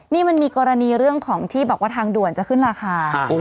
นี่มันมีกรณีเรื่องของที่บอกว่าทางด่วนจะขึ้นราคา